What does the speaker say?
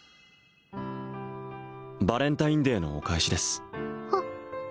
バレンタインデーのお返しですあっ